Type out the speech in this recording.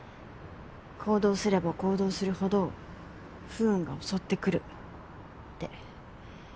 行動すれば行動するほど不運が襲ってくるって。